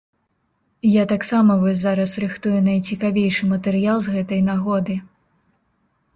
Я таксама вось зараз рыхтую найцікавейшы матэрыял з гэтай нагоды.